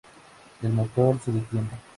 El motor se detiene.